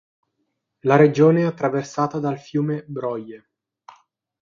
La regione è attraversata dal fiume Broye.